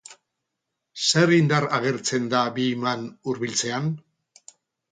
Zer indar agertzen da bi iman hurbiltzean?